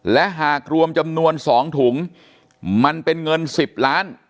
และหากรวมจำนวน๒ถุงมันเป็นเงิน๑๐ล้าน